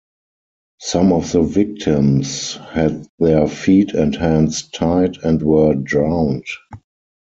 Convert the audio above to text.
Some of the victims had their feet and hands tied and were drowned.